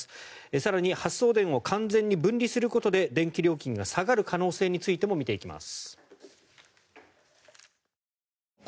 更に発送電を完全に分離することで電気料金が下がる可能性についても見ていきます。